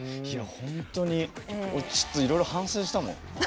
本当に俺いろいろ反省したもん。